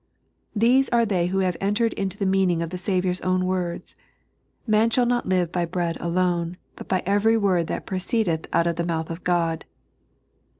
These are they who have entered into the meaning of the Saviour's own words :" Man shall not live hy bread alone, but by every word that proceedeth out of the mouth of God."